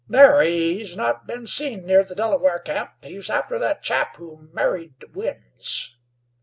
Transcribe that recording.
"Nary. He's not been seen near the Delaware camp. He's after that chap who married Winds."